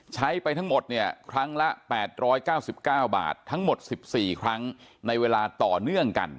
ไปทั้งหมดเนี่ยครั้งละ๘๙๙บาททั้งหมด๑๔ครั้งในเวลาต่อเนื่องกัน